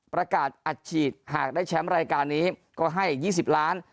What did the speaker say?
ประกาศอัดฉีดหากได้แชมป์รายการนี้ก็ให้๒๐ล้าน